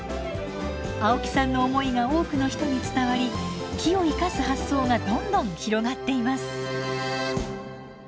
青木さんの思いが多くの人に伝わり木を生かす発想がどんどん広がっています。